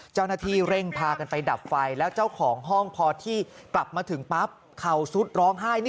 เจ้าหน้าที่เร่งพากันไปดับไฟแล้วเจ้าของห้องพอที่กลับมาถึงปั๊บเขาซุดร้องไห้